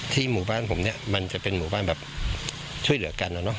หมู่บ้านผมเนี่ยมันจะเป็นหมู่บ้านแบบช่วยเหลือกันนะเนาะ